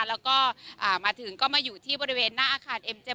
แล้วก็มาถึงก็มาอยู่ที่บริเวณหน้าอาคารเอ็มเจ